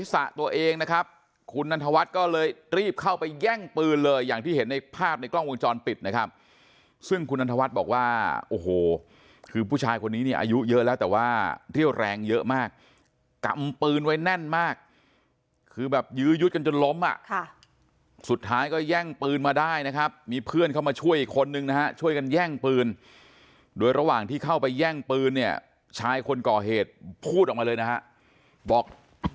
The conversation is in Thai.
สะตัวเองนะครับคุณนันทวัฒน์ก็เลยรีบเข้าไปแย่งปืนเลยอย่างที่เห็นในภาพในกล้องวงจรปิดนะครับซึ่งคุณนันทวัฒน์บอกว่าโอ้โหคือผู้ชายคนนี้เนี่ยอายุเยอะแล้วแต่ว่าเรี่ยวแรงเยอะมากกำปืนไว้แน่นมากคือแบบยื้อยุดกันจนล้มอ่ะค่ะสุดท้ายก็แย่งปืนมาได้นะครับมีเพื่อนเข้ามาช่วยอีกคนนึง